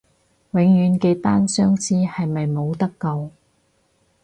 永遠嘅單相思係咪冇得救？